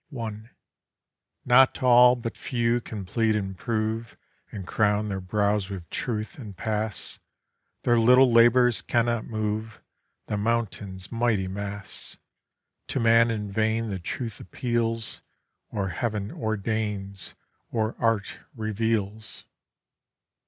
1. 'Not all, but few, can plead and prove And crown their brows with Truth and pass; Their little labours cannot move The mountain's mighty mass. To man in vain the Truth appeals, Or Heav'n ordains, or Art reveals.